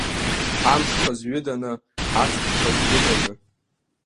Ҳамшқәа зҩыданы, ҳаҵхқәа зҩыданы!